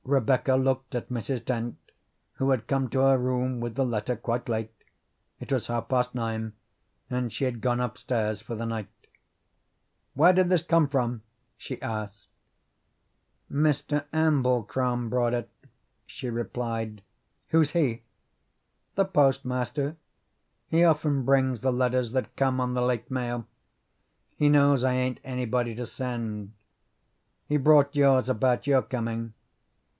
Rebecca looked at Mrs. Dent, who had come to her room with the letter quite late; it was half past nine, and she had gone upstairs for the night. "Where did this come from?" she asked. "Mr. Amblecrom brought it," she replied. "Who's he?" "The postmaster. He often brings the letters that come on the late mail. He knows I ain't anybody to send. He brought yours about your coming.